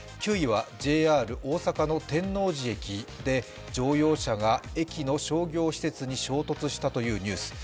９位はＪＲ大阪の天王寺駅で乗用車が駅の商業施設に衝突したというニュース。